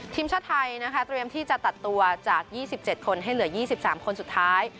ทีมชาติไทยนะคะเตรียมที่จะตัดตัวจาก๒๗คนให้เหลือ๒๓คนสุดท้าย